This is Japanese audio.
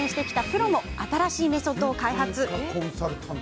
プロも新しいメソッドを開発。